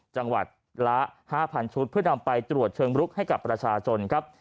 จังหวัดละ๕๐๐ชุดเพื่อนำไปตรวจเชิงลุกให้กับประชาชนครับ